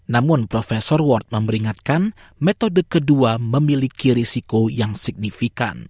namun profesor ward memberingatkan metode kedua memiliki risiko yang signifikan